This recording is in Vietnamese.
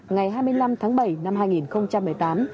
ngày hai mươi năm tháng bảy năm hai nghìn một mươi tám